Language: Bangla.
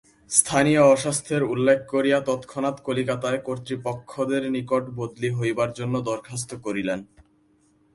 স্থানীয় অস্বাস্থ্যের উল্লেখ করিয়া তৎক্ষণাৎ কলিকাতায় কর্তৃপক্ষদের নিকট বদলি হইবার জন্য দরখাস্ত করিলেন।